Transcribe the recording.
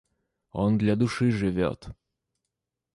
Он для души живет.